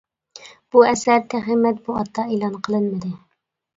بۇ ئەسەر تېخى مەتبۇئاتتا ئېلان قىلىنمىدى.